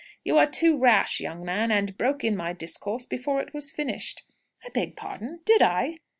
You are too rash, young man, and broke in on my discourse before it was finished!" "I beg pardon. Did I?"